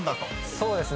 そうですね。